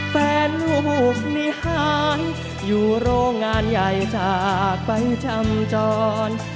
แฟนลูกนิหารอยู่โรงงานใหญ่จากไปจำจร